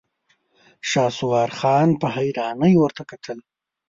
شهسوار خان په حيرانۍ ورته کتل.